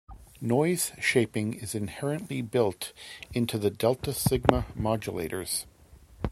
Noise Shaping is inherently built into the delta-sigma modulators.